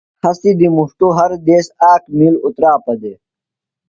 ہسی دی مُݜٹوۡ ہر دیس آک مِیل اُتراپہ دےۡ۔